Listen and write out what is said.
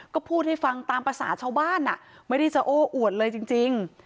ก็พูดให้ฟังตามภาษาชาวบ้านไม่ได้จะโอ้อวดเลยจริง